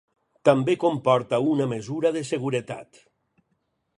També comporta una mesura de seguretat.